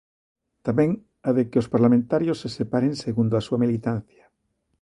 Tamén a de que os parlamentarios se separen segundo a súa militancia.